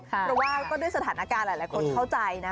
เพราะว่าก็ด้วยสถานการณ์หลายคนเข้าใจนะ